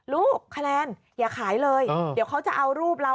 คะแนนอย่าขายเลยเดี๋ยวเขาจะเอารูปเรา